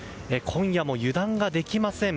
今夜も油断ができません。